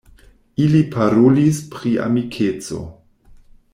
Ili parolis pri amikeco.